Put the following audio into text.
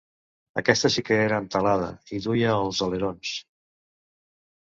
Aquesta sí que era entelada, i duia els alerons.